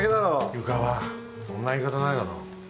湯川そんな言い方ないだろ。